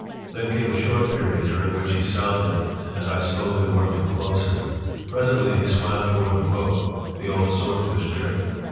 Then came a short period during which he sounded and I slowly worked him closer. Presently he swam toward the boat—the old swordfish trick.